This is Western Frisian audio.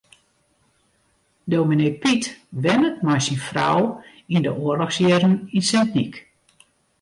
Dominee Pyt wennet mei syn frou yn de oarlochsjierren yn Sint Nyk.